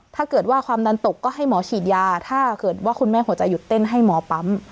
ถ้าเกิดว่าความดันตกก็ให้หมอฉีดยาถ้าเกิดว่าคุณแม่หัวใจหยุดเต้นให้หมอปั๊ม